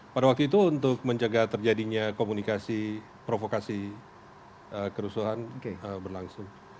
pada waktu itu untuk mencegah terjadinya komunikasi provokasi kerusuhan berlangsung